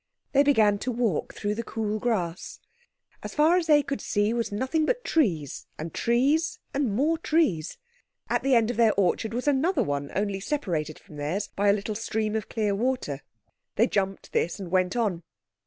They began to walk through the cool grass. As far as they could see was nothing but trees, and trees and more trees. At the end of their orchard was another one, only separated from theirs by a little stream of clear water. They jumped this, and went on.